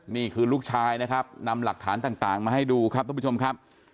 นี่คือลูกชายนะครับนำหลักฐานต่างมาให้ดูครับทุกผู้ชมครับ